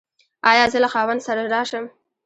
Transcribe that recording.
ایا زه له خاوند سره راشم؟